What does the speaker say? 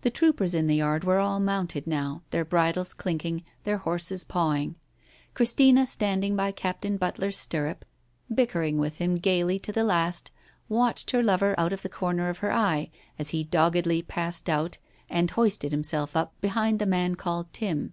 The troopers in the yard were all mounted now, their bridles clinking, their horses pawing. Christina, stand ing by Captain Butler's stirrup, bickering with him gaily to the last, watched her lover out of the corner of her eye, as he doggedly passed out, and hoisted himself up behind the man called Tim.